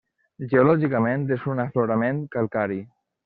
Geològicament és un aflorament calcari.